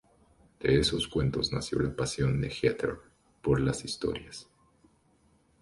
De esos cuentos nació la pasión de Heather por las historias.